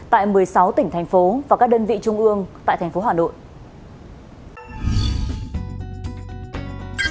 tại một mươi sáu tỉnh thành phố và các đơn vị trung ương tại thành phố hà nội